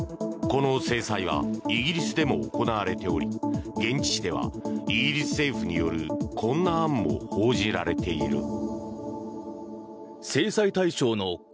この制裁はイギリスでも行われており現地紙ではイギリス政府によるこんな案も報じられている。